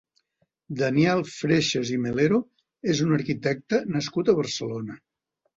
Daniel Freixes i Melero és un arquitecte nascut a Barcelona.